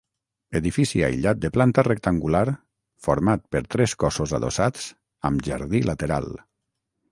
Edifici aïllat de planta rectangular, format per tres cossos adossats, amb jardí lateral.